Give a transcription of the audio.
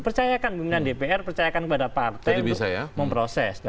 percayakan pimpinan dpr percayakan kepada partai untuk memproses